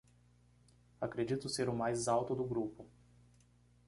Acredito ser o mais alto do grupo